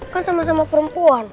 kan sama sama perempuan